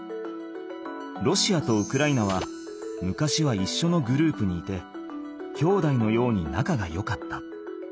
ロシアとウクライナは昔はいっしょのグループにいてきょうだいのようになかがよかった。